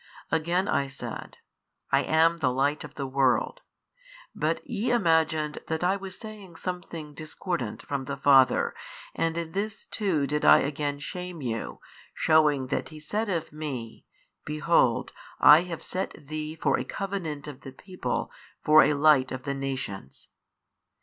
Again I said, I am the Light of the world, but ye imagined that I was saying something discordant from the Father and in this too did I again shame you, shewing that He said of Me, Behold I have set Thee for a covenant of the people for a light of the nations.